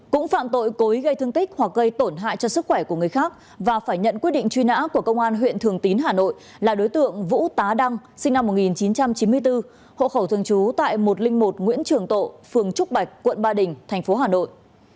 cũng phạm tội cối gây thương tích hoặc gây tổn hại cho sức khỏe của người khác và phải nhận quyết định truy nã của công an huyện thường tín hà nội là đối tượng vũ tá đăng sinh năm một nghìn chín trăm chín mươi bốn hộ khẩu thường trú tại một trăm linh một nguyễn trường tộ phường trúc bạch quận ba đình tp hà nội